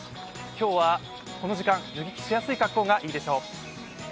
今日はこの時間、脱ぎ着しやすい格好がいいでしょう。